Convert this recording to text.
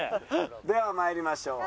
では参りましょう。